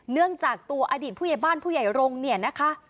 เนื่องจากตัวอดีตผู้ใหญ่บ้านผู้ใหญ่รงค์เนี่ยนะคะ